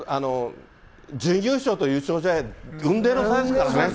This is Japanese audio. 準優勝と優勝で、雲泥の差ですからね。